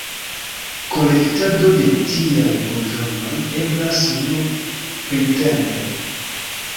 Kolektado de tiaj burĝonoj eblas nur printempe.